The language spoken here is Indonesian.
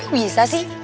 kok bisa sih